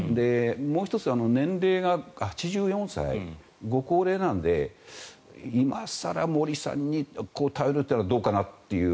もう１つ、年齢が８４歳ご高齢なので今更森さんに頼るのはどうかなという。